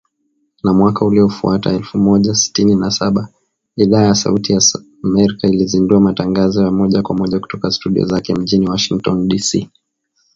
Na mwaka uliofuata, elfu moja sitini na saba, Idhaa ya Kiswahili ya Sauti ya Amerika ilizindua matangazo ya moja kwa moja kutoka studio zake mjini Washington DC